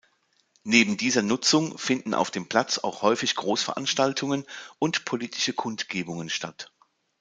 Neben dieser Nutzung finden auf dem Platz auch häufig Großveranstaltungen und politische Kundgebungen statt.